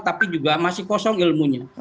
tapi juga masih kosong ilmunya